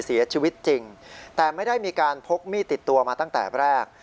เสียชีวิตจริงแต่ไม่ได้มีการพกมีดติดตัวมาตั้งแต่แรก